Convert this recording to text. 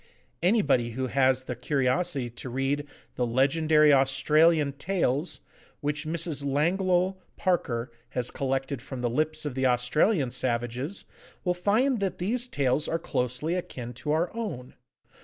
Anybody who has the curiosity to read the 'Legendary Australian Tales,' which Mrs. Langloh Parker has collected from the lips of the Australian savages, will find that these tales are closely akin to our own.